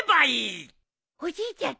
おじいちゃん